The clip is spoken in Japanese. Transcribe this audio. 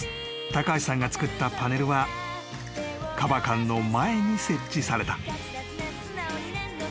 高橋さんが作ったパネルはかば館の前に設置された］